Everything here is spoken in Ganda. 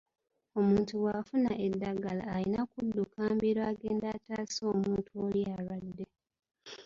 Omuntu bw'afuna eddagala, alina kudduka mbiro agende ataase omuntu oli alwadde.